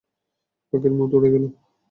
পাখির মতো উড়ে গেলো।